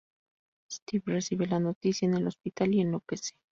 Steve recibe la noticia en el hospital y enloquece.